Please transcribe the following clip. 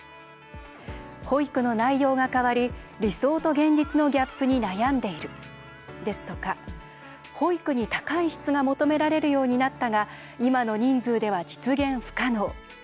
「保育の内容が変わり理想と現実のギャップに悩んでいる」ですとか「保育に、高い質が求められるようになったが今の人数では実現不可能」。